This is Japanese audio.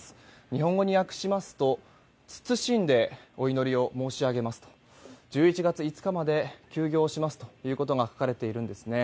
日本語に訳しますと謹んでお祈りを申し上げますと１１月５日まで休業しますということが書かれているんですね。